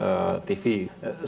saya belajar sama anak saya seringkali